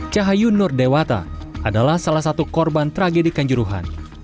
cahayu nur dewata adalah salah satu korban tragedi kanjuruhan